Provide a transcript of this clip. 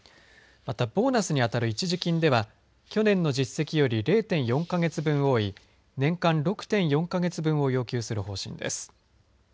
またボーナスに当たる一時金では去年の実績より０．４か月分多い年間６．４か月分を要求する方針です。